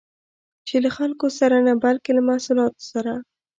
چې له خلکو سره نه، بلکې له محصولات سره